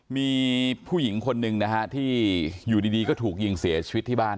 มีผู้หญิงคนหนึ่งนะฮะที่อยู่ดีก็ถูกยิงเสียชีวิตที่บ้าน